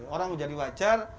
orang menjadi wajar